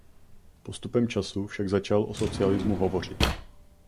Postupem času však začal o socialismu hovořit.